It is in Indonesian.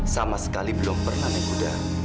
sama sekali belum pernah naik kuda